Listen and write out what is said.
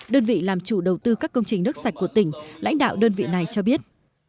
đơn vị làm chủ đầu tư các công trình nước sạch của tỉnh lãnh đạo đơn vị này cho biết